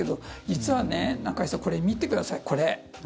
実は、中居さん見てください、これ。